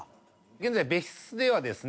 現在別室ではですね